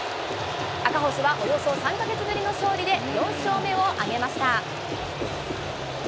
赤星はおよそ３か月ぶりの勝利で、４勝目を挙げました。